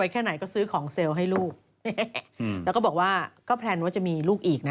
แค่ไหนก็ซื้อของเซลล์ให้ลูกแล้วก็บอกว่าก็แพลนว่าจะมีลูกอีกนะ